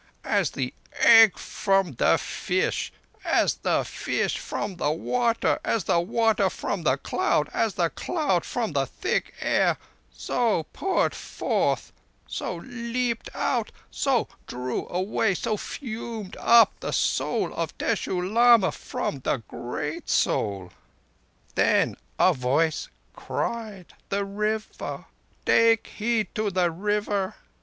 As the egg from the fish, as the fish from the water, as the water from the cloud, as the cloud from the thick air, so put forth, so leaped out, so drew away, so fumed up the Soul of Teshoo Lama from the Great Soul. Then a voice cried: 'The River! Take heed to the River!